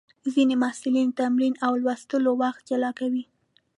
ځینې محصلین د تمرین او لوستلو وخت جلا کوي.